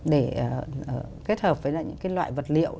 để kết hợp với những cái loại vật liệu